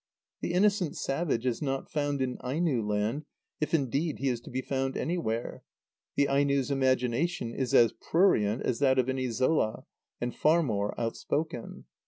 The innocent savage is not found in Aino land, if indeed he is to be found anywhere. The Aino's imagination is as prurient as that of any Zola, and far more outspoken.